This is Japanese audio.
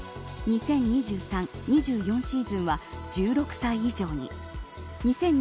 ２０２３／２４シーズンは１６歳以上に。